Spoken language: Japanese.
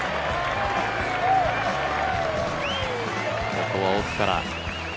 ここは奥から。